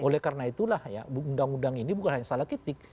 oleh karena itulah ya undang undang ini bukan hanya salah titik